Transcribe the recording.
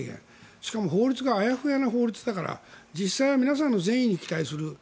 しかも法律があやふやな法律だから実際は皆さんの善意に期待する。